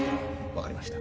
分かりました。